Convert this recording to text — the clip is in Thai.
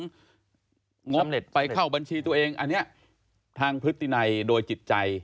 งมเน็ตไปเข้าบัญชีตัวเองอันนี้ทางพฤตินัยโดยจิตใจ